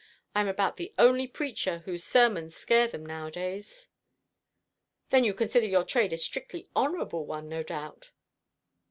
I am about the only preacher whose sermons scare them nowadays." "Then you consider your trade a strictly honourable one, no doubt."